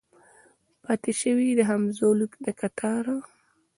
پاته شوي د همزولو د کتاره